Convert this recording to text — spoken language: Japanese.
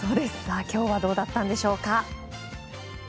今日はどうだったんでしょうか。